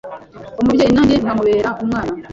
umubyeyi nanjye nkamubera umwana